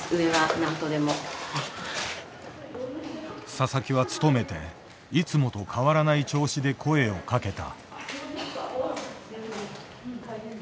佐々木は努めていつもと変わらない調子で声をかけた。